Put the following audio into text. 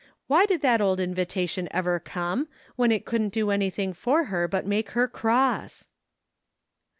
Why did that old invitation ever come, when it couldn't do anything for her but make her cross